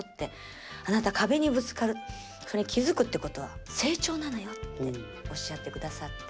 あなた壁にぶつかるそれに気付くってことは成長なのよっておっしゃってくださって。